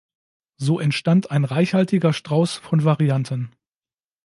So entstand ein reichhaltiger Strauß von Varianten.